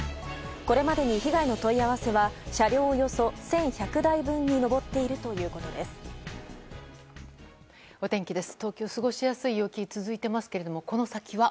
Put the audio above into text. これまでに、被害の問い合わせは車両およそ１１００台分にお天気です。